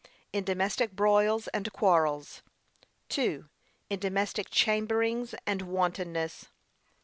In domestic broils and quarrels. (2.) In domestic chamberings and wantonness.